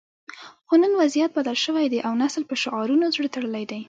خو نن وضعیت بدل شوی دی او نسل په شعارونو زړه تړلی دی